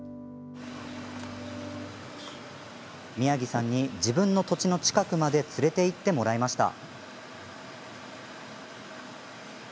宮城さんに自分の土地の近くまで連れていってもらいました。